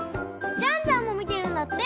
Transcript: ジャンジャンもみているんだって。